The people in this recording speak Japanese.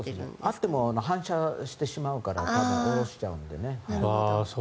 あっても反射してしまうから多分、下ろしちゃうんでね。